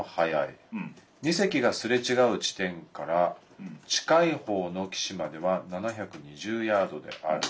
２隻がすれ違う地点から近い方の岸までは７２０ヤードである。